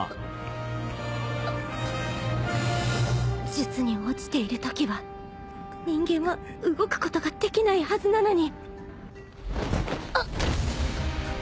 術に落ちているときは人間は動くことができないはずなのにうっ！